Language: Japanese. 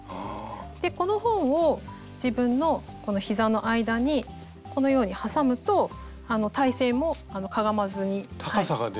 でこの本を自分の膝の間にこのように挟むと体勢もかがまずに。